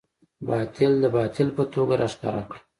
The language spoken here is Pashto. باطل د باطل په توګه راښکاره کړه.